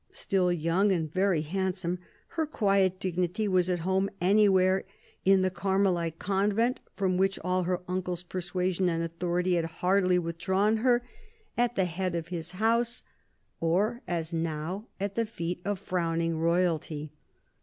Still young and very hand some, her quiet dignity was at home anywhere : in the Carmelite convent from which all her uncle's persuasion and authority had hardly withdrawn her; at the head of 14 2IO CARDINAL DE RICHELIEU his house; or, as now, at the feet of frowning Royalty.